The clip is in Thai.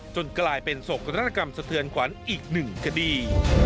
กลายเป็นโศกนาฏกรรมสะเทือนขวัญอีกหนึ่งคดี